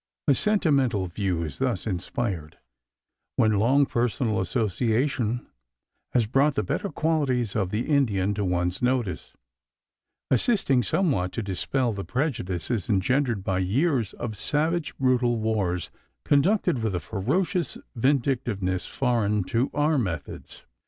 A sentimental view is thus inspired, when long personal association has brought the better qualities of the Indian to one's notice, assisting somewhat to dispel the prejudices engendered by years of savage, brutal wars, conducted with a ferocious vindictiveness foreign to our methods.